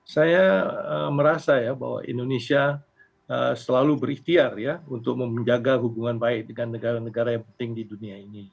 saya merasa ya bahwa indonesia selalu berikhtiar ya untuk menjaga hubungan baik dengan negara negara yang penting di dunia ini